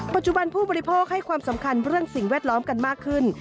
ผู้บริโภคให้ความสำคัญเรื่องสิ่งแวดล้อมกันมากขึ้น